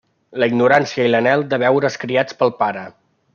La ignorància i l'anhel de veure's criats pel Pare.